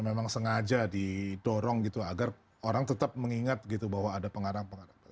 memang sengaja didorong gitu agar orang tetap mengingat gitu bahwa ada pengarang pengarangan